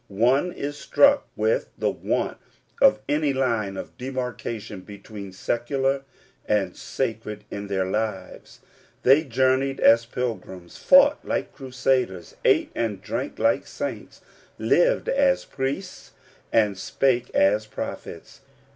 One is struck with the want of any line of demarcation between secular and sacred in their lives ; they journeyed as pilgrims, fought like Crusaders, ate and drank like saints, lived as priests, aod spake as prophets.